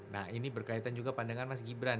nah ini berkaitan juga pandangan mas gibran